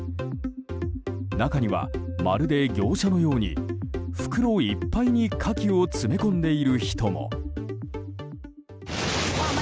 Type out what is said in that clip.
中には、まるで業者のように袋いっぱいにカキを詰め込んでいる人も。